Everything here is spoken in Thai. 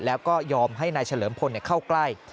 แล้วก็ยอมให้นายเฉลิมพลเข้าใกล้